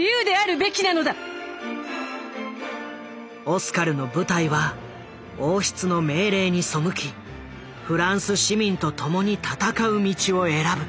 オスカルの部隊は王室の命令に背きフランス市民と共に戦う道を選ぶ。